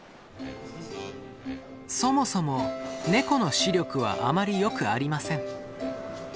そもそもネコの視力はあまりよくありません。